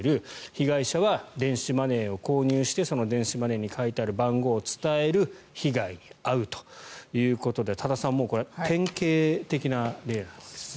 被害者は電子マネーを購入してその電子マネーに書いてある番号を伝える被害に遭うということで多田さんこれ、典型的な例なんですね。